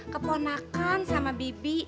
keponakan sama bibi